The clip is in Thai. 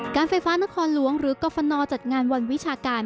การไฟฟ้านครหลวงหรือกรฟนจัดงานวันวิชาการ